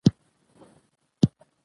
او قومي ګرایشونو پرته تحقیق نه دی کړی